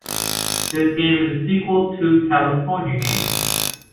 This game is a sequel to "California Games".